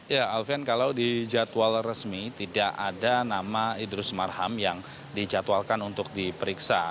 ya alfian kalau di jadwal resmi tidak ada nama idrus marham yang dijadwalkan untuk diperiksa